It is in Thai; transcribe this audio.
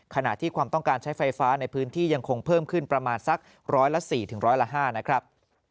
ขณะที่ความต้องการใช้ไฟฟ้าในพื้นที่ยังคงเพิ่มขึ้นประมาณสักร้อยละ๔ร้อยละ๕นะครับ